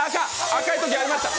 赤いときありました！